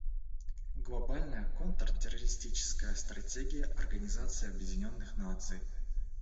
Глобальная контртеррористическая стратегия Организации Объединенных Наций.